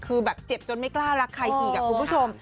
คือเหลือเจ็บจนไม่กล้ารักใครแล้ว